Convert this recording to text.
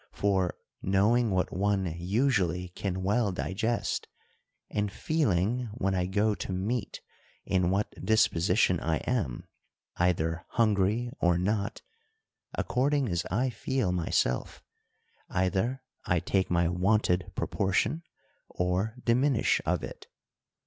For, knowing what one usually can well digest, and feeling when I go to meat in what disposition I am, either hungry or not; according as I feel myself, either I take my wonted proportion, or diminish of it.